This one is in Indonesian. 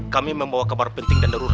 kabulkanlah doa istri hamba ya roh